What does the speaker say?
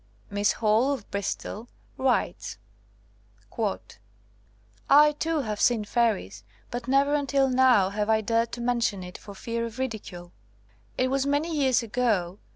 Miss Hall, of Bristol, writes : *'I, too, have seen fairies, but never until now have I dared to mention it for fear of ridicule. It was many years ago.